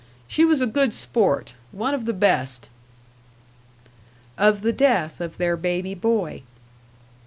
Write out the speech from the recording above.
She was a good sport one of the best." Of the death of their baby boy.